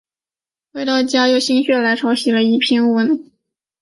回到家又心血来潮写了一篇文